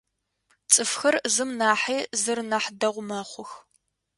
Цӏыфхэр зым нахьи зыр нахь дэгъу мэхъух.